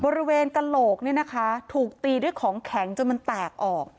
บริเวณกระโหลกเนี่ยนะคะถูกตีด้วยของแข็งจนมันแตกออก